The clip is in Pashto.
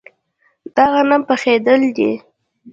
دا غنم پخیدلي دي.